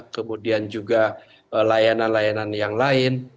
kemudian juga layanan layanan yang lain